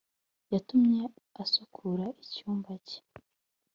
yatumye asukura icyumba cye